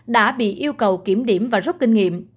đã bị yêu cầu kiểm điểm và rút kinh nghiệm